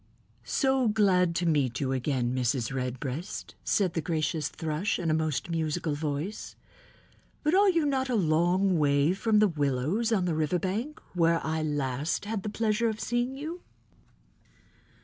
"So glad to meet you again, Mrs. Redbreast," said the gracious Thrush in a most musical voice, "but are you not a long way from the willows on the river bank where I last had the pleasure of seeing you?"